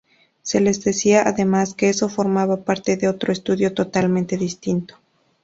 Se les decía además que eso formaba parte de otro estudio totalmente distinto.